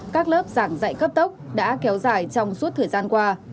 các lớp giảng dạy cấp tốc đã kéo dài trong suốt thời gian qua